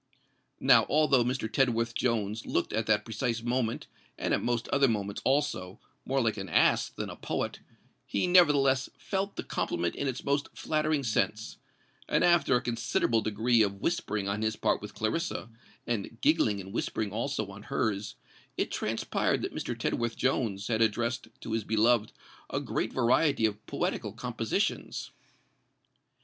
Now, although Mr. Tedworth Jones looked at that precise moment, and at most other moments also, more like an ass than a poet, he nevertheless felt the compliment in its most flattering sense; and after a considerable degree of whispering on his part with Clarissa, and giggling and whispering also on hers, it transpired that Mr. Tedworth Jones had addressed to his beloved a great variety of poetical compositions.